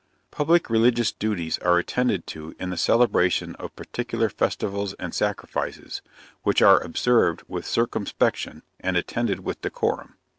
Public religious duties are attended to in the celebration of particular festivals and sacrifices, which are observed with circumspection and attended with decorum.